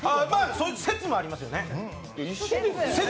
そういう説もありますよね。